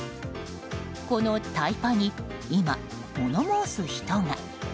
このタイパに今、物申す人が。